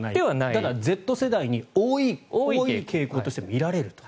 ただ、Ｚ世代に多い傾向として見られると。